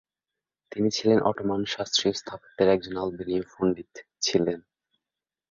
তিনি ছিলেন অটোমান শাস্ত্রীয় স্থাপত্যের একজন আলবেনিয় পণ্ডিত ছিলেন।